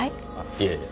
いえいえ。